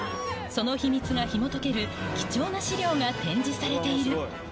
その秘密がひもとける貴重な資料が展示されている。